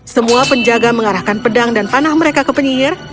semua penjaga mengarahkan pedang dan panah mereka ke penyihir